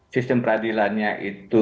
sistem peradilannya itu